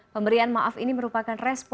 pemberian maaf ini merupakan respon